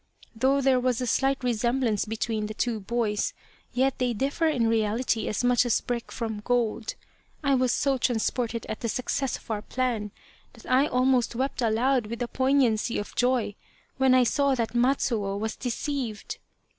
Though there was a slight resem blance between the two boys, yet they differ in reality as much as brick from gold. I was so transported at the success of our plan, that I almost wept aloud with the poignancy of joy when I saw that Matsuo was deceived."